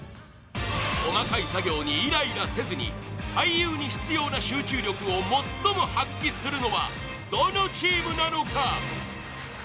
細かい作業にイライラせずに俳優に必要な集中力を最も発揮するのはどのチームなのか。